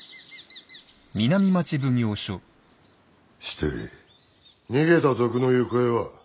して逃げた賊の行方は？